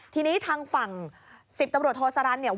ทีนี้ทางฝั่ง๑๐ตำรวจทธาลัยสรรค์